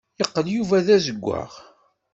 Yeqqel Yuba d azewwaɣ.